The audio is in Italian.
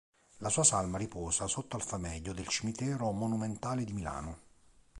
La sua salma riposa sotto al famedio del Cimitero Monumentale di Milano.